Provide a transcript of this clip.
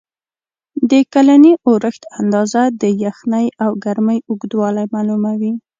د کلني اورښت اندازه، د یخنۍ او ګرمۍ اوږدوالی معلوموي.